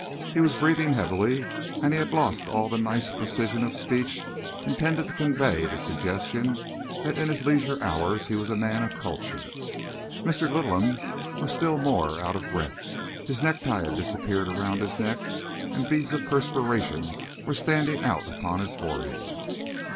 He was breathing heavily, and he had lost all that nice precision of speech intended to convey the suggestion that in his leisure hours he was a man of culture. Mr. Littleham was still more out of breath. His necktie had disappeared around his neck, and beads of perspiration were standing out upon his forehead.